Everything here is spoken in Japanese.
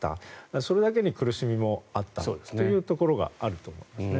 それだけに苦しみもあったというところがあると思いますね。